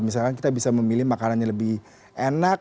misalkan kita bisa memilih makanan yang lebih enak